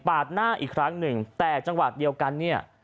หน้าอีกครั้งหนึ่งแต่จังหวะเดียวกันเนี่ย